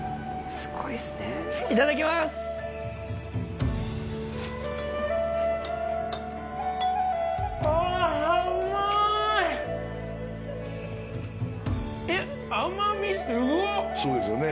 すごいですよね。